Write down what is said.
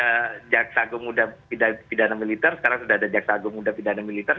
ada jaksa agung muda pidana militer sekarang sudah ada jaksa agung muda pidana militer